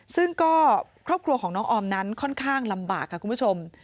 ซึ่งก็ครอบครัวของน้องออมนั้นค่อนข้างลำบากค่ะคุณผู้ชม